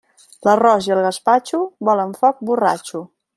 L'arròs i el gaspatxo volen foc borratxo.